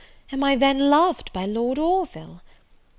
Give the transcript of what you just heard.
am I then loved by Lord Orville?"